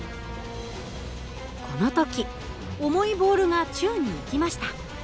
この時重いボールが宙に浮きました。